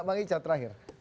bang ica terakhir